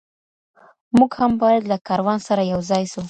موږ هم باید له کاروان سره یوځای سو.